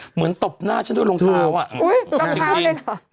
เหมือนตบหน้าฉันด้วยรองเท้าอะจริงอุ๊ยรองเท้าเลยหรอ